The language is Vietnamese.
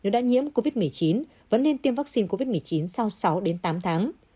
nếu đã nhiễm covid một mươi chín vẫn nên tiêm vaccine covid một mươi chín sau sáu đến tám tháng